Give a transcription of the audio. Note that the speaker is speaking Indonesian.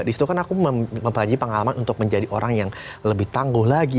disitu kan aku mempelajari pengalaman untuk menjadi orang yang lebih tangguh lagi